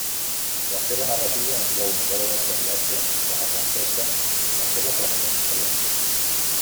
La seva narrativa inclou novel·les de viatges, que reflecteixen la seva pròpia experiència.